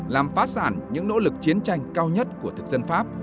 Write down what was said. làm phát sản những nỗ lực chiến tranh cao nhất của thực dân pháp